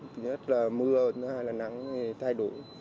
thứ nhất là mưa thứ hai là nắng thay đổi